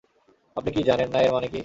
আপনি কী জানেন না এর মানে কি!